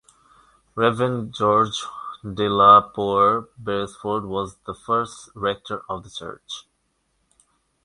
Reverend George de la Poer Beresford was the first rector of the church.